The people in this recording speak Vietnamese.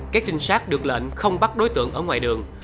các trinh sát được lệnh không bắt đối tượng ở ngoài đường